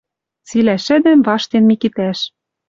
Цилӓ шӹдӹм ваштен Микитӓш.